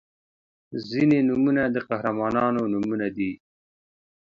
• ځینې نومونه د قهرمانانو نومونه دي.